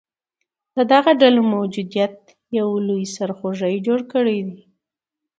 د دغه ډلو موجودیت یو لوی سرخوږې جوړ کړیدی